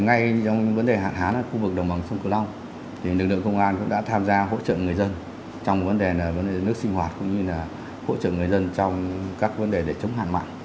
ngay trong vấn đề hạn hán ở khu vực đồng bằng sông cửu long lực lượng công an cũng đã tham gia hỗ trợ người dân trong vấn đề vấn đề nước sinh hoạt cũng như là hỗ trợ người dân trong các vấn đề để chống hạn mặn